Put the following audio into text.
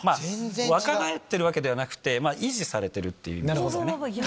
若返ってるわけではなくて、維持されてるっていうことですね。